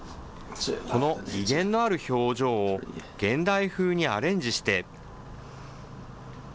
この威厳のある表情を現代風にアレンジして。